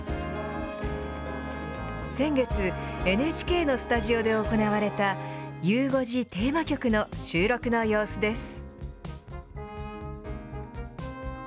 先月、ＮＨＫのスタジオで行われた、ゆう５時テーマ曲の収録の様子です。